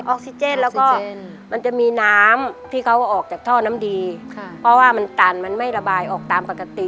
ออกซิเจนแล้วก็มันจะมีน้ำที่เขาออกจากท่อน้ำดีค่ะเพราะว่ามันตันมันไม่ระบายออกตามปกติ